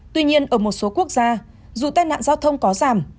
tuy nhiên ở một số quốc gia dù tai nạn giao thông có giảm